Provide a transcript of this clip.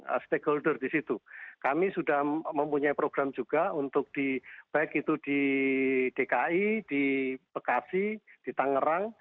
ada stakeholder di situ kami sudah mempunyai program juga untuk di baik itu di dki di bekasi di tangerang